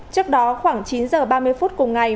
trước đó khoảng chín giờ ba mươi phút cùng ngày